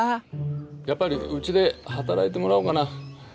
やっぱりうちで働いてもらおうかな。